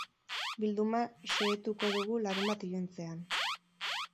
Bilduma xehetuko dugu larunbat iluntzean.